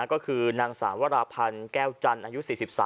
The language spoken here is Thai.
ก็คือนางสาวราพันธ์แก้วจันทร์อายุ๔๓